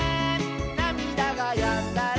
「なみだがやんだら」